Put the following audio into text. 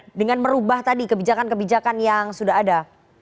tapi apa yang terubah tadi kebijakan kebijakan yang sudah ada